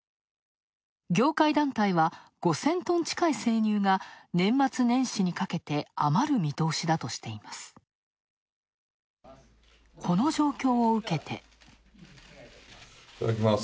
業界団体は５０００トン近い生乳が年末年始にかけて余る見通しだとしています。